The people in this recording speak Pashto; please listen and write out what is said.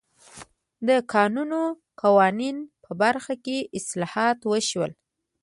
د کانونو قوانینو په برخه کې اصلاحات وشول.